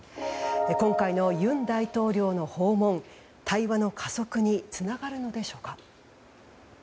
今回の尹大統領の訪問対話の加速につながるのでしょうか？